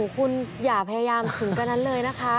คุณอย่าพยายามถึงกว่านั้นเลยนะคะ